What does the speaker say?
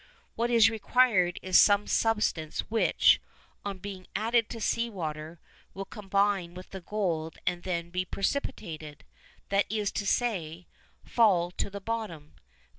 What is required is some substance which, on being added to sea water, will combine with the gold, and then be precipitated that is to say, fall to the bottom.